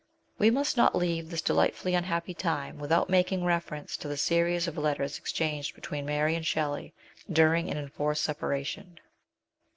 We must not leave this delightfully unhappy time without making reference to the series of letters LIFE IN ENGLAND. 81 exchanged between Mary and Shelley during an enforced separation.